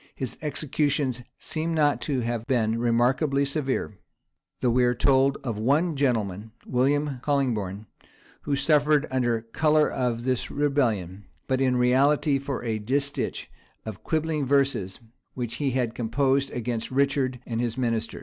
His executions seem not to have been remarkably severe; though we are told of one gentleman, William Colingbourne, who suffered under color of this rebellion, but in reality for a distich of quibbling verses which he had composed against Richard and his ministers.